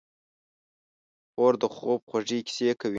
خور د خوب خوږې کیسې کوي.